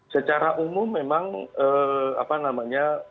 secara umum memang apa namanya